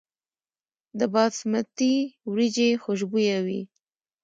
د باسمتي وریجې خوشبويه وي.